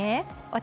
私